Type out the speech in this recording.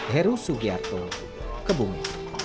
heru sugiyarto kebumi